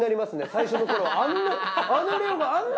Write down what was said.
最初の頃はあんな。